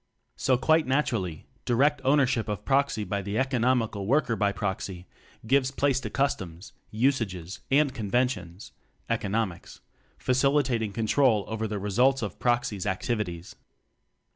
So quite na turally, direct ownership of Proxy by the economical Worker by proxy gives place to customs, usages, and conven tions (economics), facilitating control over the results of Proxy's activities.